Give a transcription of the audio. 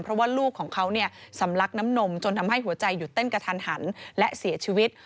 เพราะว่าลูกของเขาเนี่ยสำลักน้ำนมจนทำให้หัวใจหยุดเต้นกระทันหันและเสียชีวิต